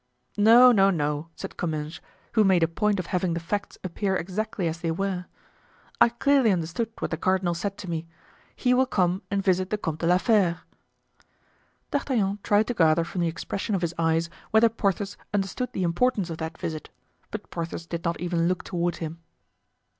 "No, no, no," said Comminges, who made a point of having the facts appear exactly as they were, "I clearly understood what the cardinal said to me. He will come and visit the Comte de la Fere." D'Artagnan tried to gather from the expression of his eyes whether Porthos understood the importance of that visit, but Porthos did not even look toward him.